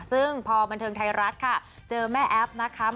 ซึ่งพอบันเทิงไทยรัฐค่ะเจอแม่แอฟนะคะ